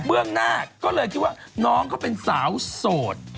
เรื่องหน้าก็เลยคิดว่าน้องเขาเป็นสาวโสด